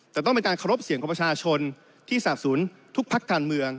แต่ต้องเป็นการเคารพเสียงของประชาชนที่สาบศูนย์ทุกพักการเมือง